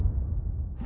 lo sudah nunggu